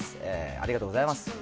ありがとうございます。